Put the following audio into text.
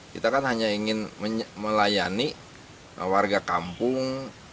kita kan hanya ingin melayani warga kampung